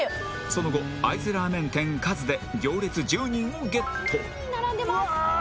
その後会津ラーメン店和で行列１０人をゲット１０人並んでます